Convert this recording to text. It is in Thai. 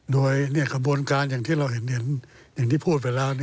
โดยกระบวนการอย่างที่เราเห็นอย่างที่พูดไปแล้ว